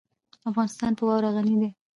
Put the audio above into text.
افغانستان په واوره غني دی.